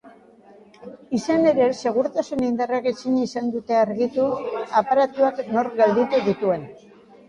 Izan ere, segurtasun indarrek ezin izan dute argitu aparatuak nork gidatu dituen.